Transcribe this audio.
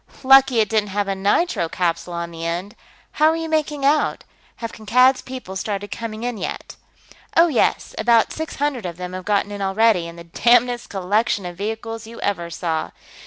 "Lucky it didn't have a nitro capsule on the end. How are you making out? Have Kankad's people started coming in, yet?" "Oh, yes, about six hundred of them have gotten in already, in the damnedest collection of vehicles you ever saw.